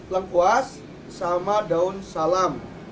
lengkuas sama daun salam